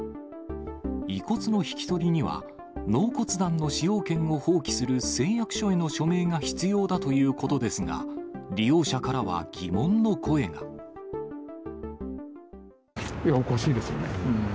遺骨の引き取りには、納骨壇の使用権を放棄する誓約書への署名が必要だということですいや、おかしいですよね。